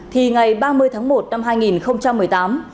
thì ngày ba mươi tháng một năm hai nghìn một mươi tám